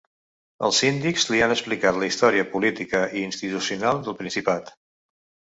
Els síndics li han explicat la història política i institucional del principat.